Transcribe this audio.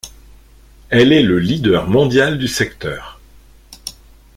Elle est le leader mondial du secteur.